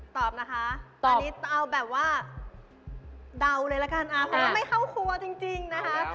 ตอบนะคะตอนนี้เอาแบบว่าเดาเลยละกันเพราะว่าไม่เข้าครัวจริงนะคะ